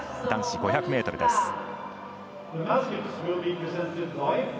男子５００ｍです。